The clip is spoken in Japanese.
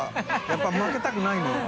やっぱ負けたくないのよ。